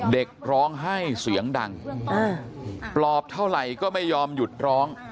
เด็กร้องไห้เสียงดังปลอบเท่าไหร่ก็ไม่ยอมหยุดร้อง